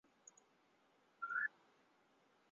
贤治的少数生前发表的一个童话。